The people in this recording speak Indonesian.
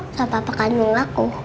sama papa kandung aku